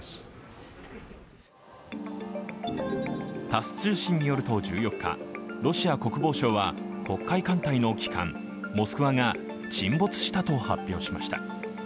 タス通信によると１４日ロシア国防省は黒海艦隊の旗艦「モスクワ」が沈没したと発表しました。